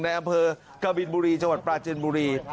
ในอำเภอกบินบุรีจังหวัดปราจินบุรี